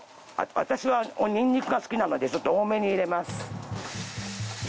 私はニンニクが好きなのでちょっと多めに入れます。